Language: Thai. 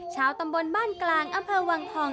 ชาวตำบลบ้านกลางอำเภอวังทอง